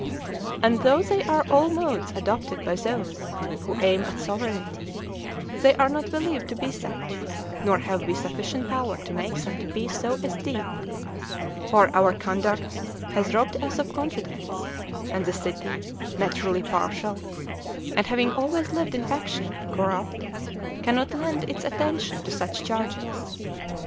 And though they are all modes adopted by those who aim at sovereignty, they are not believed to be such, nor have we sufficient power to make them to be so esteemed; for our conduct has robbed us of confidence, and the city, naturally partial and (having always lived in faction) corrupt, cannot lend its attention to such charges.